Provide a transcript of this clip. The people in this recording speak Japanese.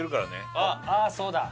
ああーそうだ。